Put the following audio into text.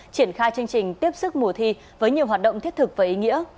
triển khai chương trình tiếp sức mùa thi với nhiều hoạt động thiết thực và ý nghĩa